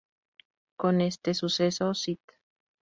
Con este suceso, St.